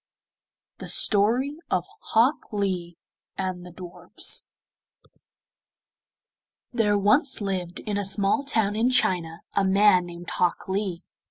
THE STORY OF HOK LEE AND THE DWARFS There once lived in a small town in China a man named Hok Lee.